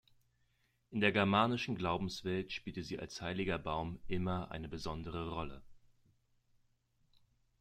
In der germanischen Glaubenswelt spielte sie als heiliger Baum immer eine besondere Rolle.